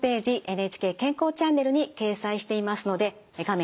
「ＮＨＫ健康チャンネル」に掲載していますので画面